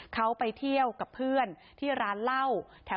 เขาไปเที่ยวกับเพื่อนที่ร้านเหล้าแถว